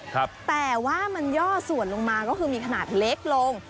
แต่ว่ามันย่อส่วนลงมาก็คือมีขนาดเล็กลง